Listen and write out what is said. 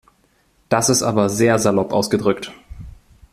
Das ist aber sehr salopp ausgedrückt.